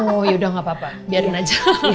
oh yaudah gapapa biarin aja